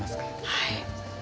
はい。